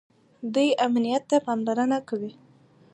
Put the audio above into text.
دوی امنیت ته پاملرنه کوي.